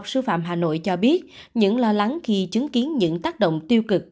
sư phạm hà nội cho biết những lo lắng khi chứng kiến những tác động tiêu cực